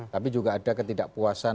tapi juga ada ketidakpuasan